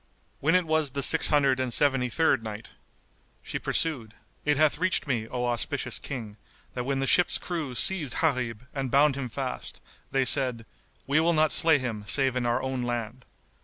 When it was the Six Hundred and Seventy third Night, She pursued, It hath reached me, O auspicious King, that when the ship's crew seized Gharib and bound him fast they said, "We will not slay him save in our own land."